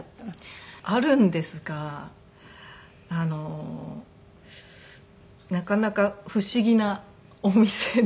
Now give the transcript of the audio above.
あるんですがなかなか不思議なお店で。